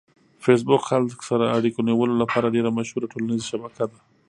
فېسبوک خلک سره اړیکه نیولو لپاره ډېره مشهوره ټولنیزه شبکه ده.